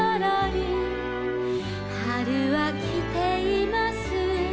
「はるはきています」